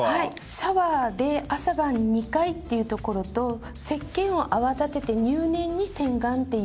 シャワーで朝晩２回っていうところとせっけんを泡立てて入念に洗顔がポイントになります。